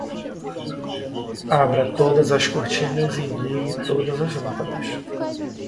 Abra todas as cortinas e ligue todas as lâmpadas